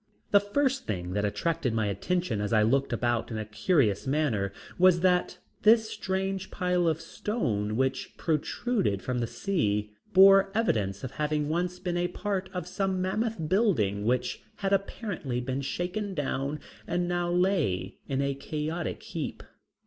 The first thing that attracted my attention as I looked about in a curious manner, was that this strange pile of stone which protruded from the sea, bore evidence of having once been a part of some mammoth building which had apparently been shaken down and now lay in a chaotic heap.